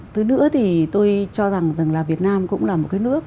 từ nữa tôi cho rằng việt nam cũng là một nước